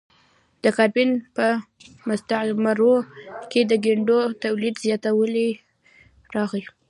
د کارابین په مستعمرو کې د ګنیو تولید زیاتوالی راغی.